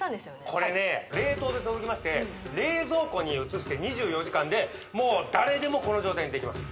これね冷凍で届きまして冷蔵庫に移して２４時間でもう誰でもこの状態にできます